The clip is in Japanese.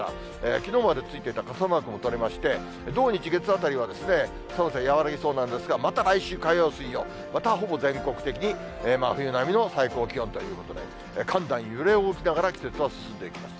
きのうまでついてた傘マークも取れまして、土、日、月あたりは寒さ、和らぎそうなんですが、また来週火曜、水曜、またほぼ全国的に真冬並みの最高気温ということで、寒暖揺れ動きながら、季節は進んでいきます。